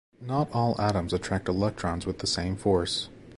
Not all atoms attract electrons with the same force.